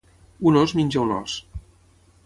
Un ós menja un os